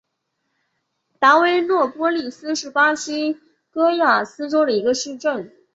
达维诺波利斯是巴西戈亚斯州的一个市镇。